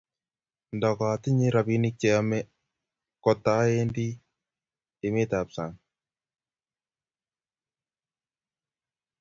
Ndo katinye rabinik che yome ko katawendi emet ab sang